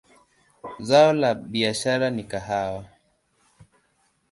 Zao la biashara ni kahawa.